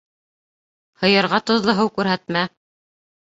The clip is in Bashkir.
Һыйырға тоҙло һыу күрһәтмә.